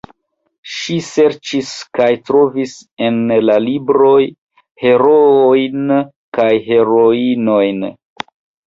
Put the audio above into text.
Ŝi serĉis kaj trovis en la libroj heroojn kaj heroinojn.